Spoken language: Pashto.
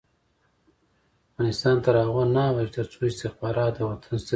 افغانستان تر هغو نه ابادیږي، ترڅو استخبارات د وطن سترګې نشي.